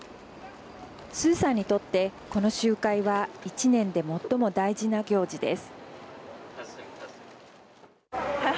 鄒さんにとって、この集会は一年で最も大事な行事です。